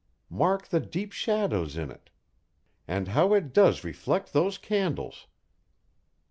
Mark the deep shadows in it. And how it does reflect those candles!"